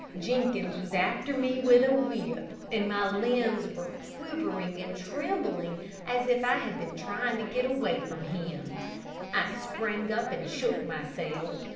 Jenkins was after me with a whip, and my limbs were quivering and trembling as if I had been trying to get away from him. I sprang up and shook myself.